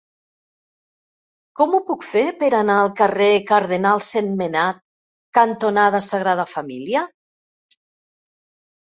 Com ho puc fer per anar al carrer Cardenal Sentmenat cantonada Sagrada Família?